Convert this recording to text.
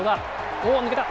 おっ、抜けた。